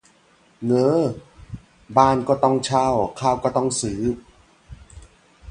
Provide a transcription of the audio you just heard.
เง้อ บ้านก็ต้องเช่า ข้าวก็ต้องซื้อ